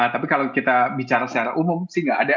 tapi kalau kita bicara secara umum sih nggak ada